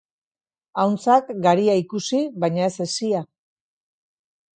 Ahuntzak garia ikusi, baina ez hesia.